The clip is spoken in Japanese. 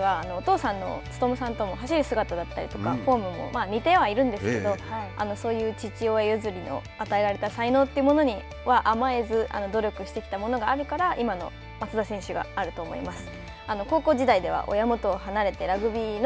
松田選手はお父さんの努さんとも走る姿だったりとかフォームも似てはいるんですけれども、そういう父親譲りの与えられた才能というものにありますが、努力してきたものがあるから前の松田選手があると思います。